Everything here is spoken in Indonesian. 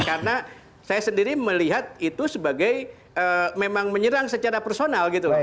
karena saya sendiri melihat itu sebagai memang menyerang secara personal gitu